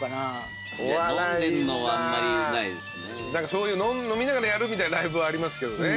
そういう飲みながらやるみたいなライブはありますけどね。